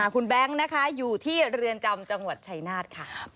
คุณแบงค์นะคะอยู่ที่เรือนจำจังหวัดชัยนาธค่ะ